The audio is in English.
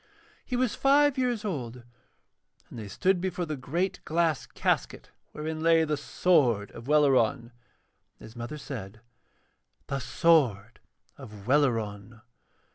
He was five years old, and they stood before the great glass casket wherein lay the sword of Welleran, and his mother said: 'The sword of Welleran.'